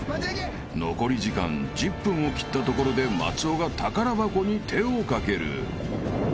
［残り時間１０分を切ったところで松尾が宝箱に手をかける］